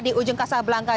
di ujung kasab langka